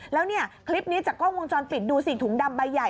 แล้วเนี่ยคลิปนี้จากกล้องวงจรปิดดูสิถุงดำใบใหญ่